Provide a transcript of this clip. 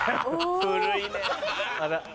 古いね。